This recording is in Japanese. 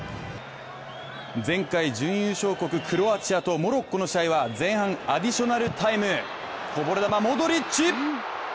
前回準優勝クロアチアとモロッコの試合は前半、アディショナルタイムこぼれ球、モドリッチ！